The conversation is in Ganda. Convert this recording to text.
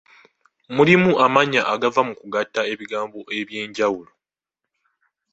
Mulimu amannya agava mu kugatta ebigambo eby’enjawulo.